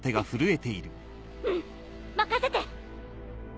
んうん任せて！